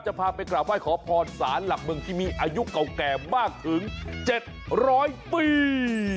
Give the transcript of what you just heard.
พาไปกราบไหว้ขอพรสารหลักเมืองที่มีอายุเก่าแก่มากถึง๗๐๐ปี